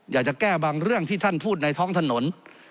อยากจะแก้บางเรื่องที่ท่านพูดในท้องถนน